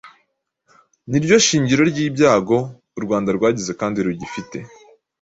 niryo shingiro ry'ibyago u Rwanda rwagize kandi rugifite.